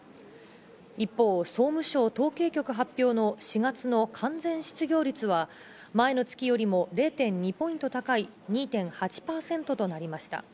一方、総務省統計局発表の４月の完全失業率は前の月よりも０．２ポイント高い２．８％となりました。